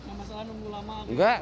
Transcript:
masalah nunggu lama